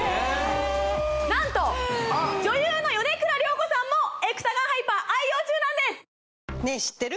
なんと女優の米倉涼子さんもエクサガンハイパー愛用中なんですねえ知ってる？